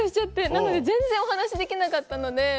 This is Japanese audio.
なので全然お話しできなかったので。